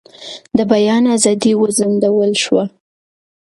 د بیان ازادي وځنډول شوه.